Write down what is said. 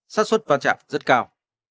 sát xuất vàn chạm rất cao